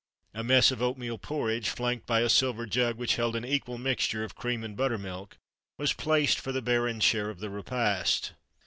A mess of oatmeal porridge, flanked by a silver jug which held an equal mixture of cream and buttermilk, was placed for the Baron's share of the repast."